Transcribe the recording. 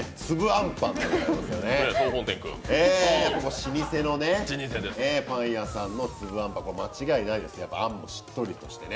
老舗のパン屋さんのつぶあんぱん、間違いないです、あんもしっとりとしてね。